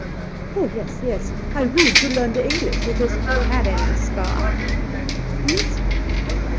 ' Oh yes, yes ! I read to learn de English. It is ' Had any scoff 1' 'Please?'